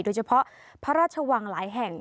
โดยเฉพาะพระราชวังหลายแห่ง